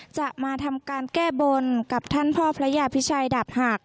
จะมาทำการแก้บนกับท่านพ่อพระยาพิชัยดาบหัก